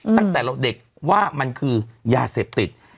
ตั้งแต่เด็กว่ามันคือยาเสพติด